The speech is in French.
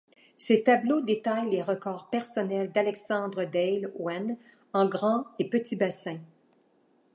Ces tableaux détaillent les records personnels d'Alexander Dale Oen en grand et petit bassin.